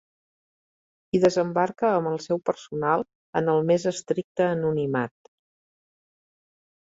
Hi desembarca amb el seu personal en el més estricte anonimat.